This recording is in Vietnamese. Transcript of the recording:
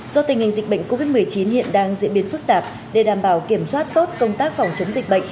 do tình hình dịch bệnh covid một mươi chín hiện đang diễn biến phức tạp để đảm bảo kiểm soát tốt công tác phòng chống dịch bệnh